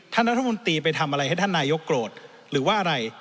ท่านรัฐมนตรีไปทำอะไรให้ท่านนายกโกรธหรือว่าอะไร